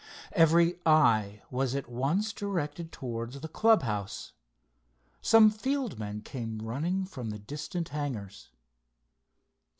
Every eye was at once directed towards the club house. Some field men came running from the distant hangars.